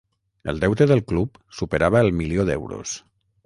El deute del club superava el milió d’euros.